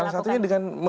ya salah satunya dengan